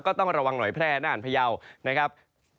ต้องระวังหน่อยแพร่น่านพยาวนะครับ